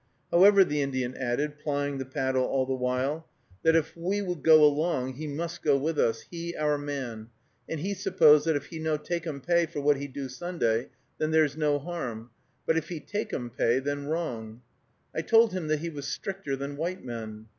However, the Indian added, plying the paddle all the while, that if we would go along, he must go with us, he our man, and he suppose that if he no takum pay for what he do Sunday, then ther's no harm, but if he takum pay, then wrong. I told him that he was stricter than white men.